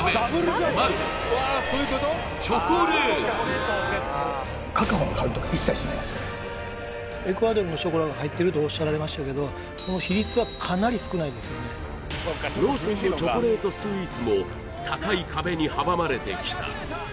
まずはエクアドルのショコラが入ってるとおっしゃられましたけどローソンのチョコレートスイーツも高い壁に阻まれてきた